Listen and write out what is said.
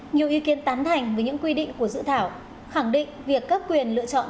nhiều ý kiến tán thành với những quy định của dự thảo khẳng định việc các quyền lựa chọn